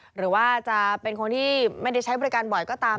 หรือว่าจะเป็นคนที่ไม่ได้ใช้บริการบ่อยก็ตาม